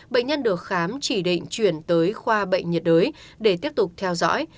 bệnh nhân được khám chỉ định chuyển tới khoa bệnh nhiệt đới để tiếp tục theo dõi